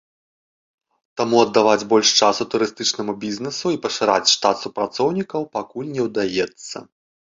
Таму аддаваць больш часу турыстычнаму бізнесу і пашыраць штат супрацоўнікаў пакуль не ўдаецца.